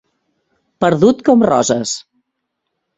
Perdut com Roses.